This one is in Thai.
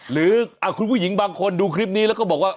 หรือคุณผู้หญิงบางคนดูคลิปนี้แล้วก็บอกว่า